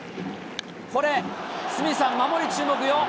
これ、鷲見さん、守り注目よ。